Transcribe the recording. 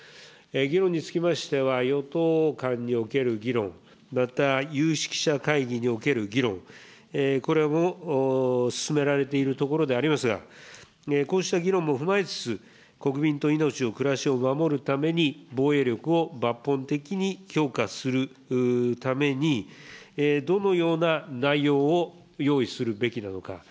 議論につきましては、与党間における議論、また有識者会議における議論、これも進められているところでありますが、こうした議論も踏まえつつ、国民と命と暮らしを守るために、防衛力を抜本的に強化するために、どのような内容を用意するべきなのか。